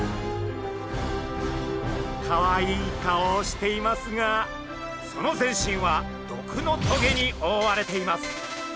かわいい顔をしていますがその全身は毒の棘におおわれています。